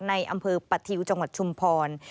ในอำเภอปะทิวจังหวัดชุมพร